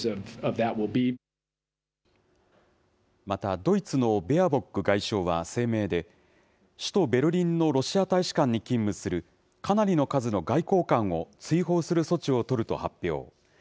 またドイツのベアボック外相は声明で、首都ベルリンのロシア大使館に勤務する、かなりの数の外交官を追放する措置を取ると発表。